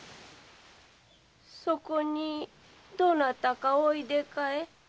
そこにどなたかおいでかえ？